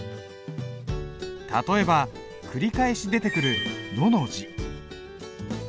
例えば繰り返し出てくる「之」の字。